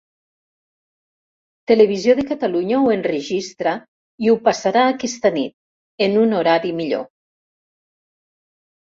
Televisió de Catalunya ho enregistra i ho passarà aquesta nit, en un horari millor.